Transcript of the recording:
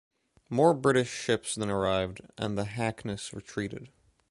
More British ships then arrived, and the "Hackness" retreated.